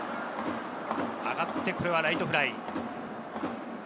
上がって、これはライトフライ。